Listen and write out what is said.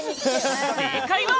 正解は。